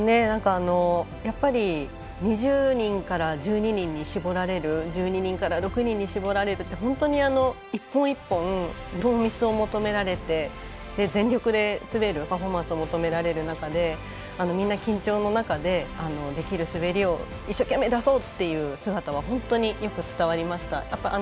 やっぱり２０人から１２人に絞られる１２人から６人に絞られるって本当に一本一本ノーミスを求められて、全力で滑るパフォーマンスを求められる中でみんな緊張の中でできる滑りを一生懸命出そうっていう姿は本当によく伝わりました。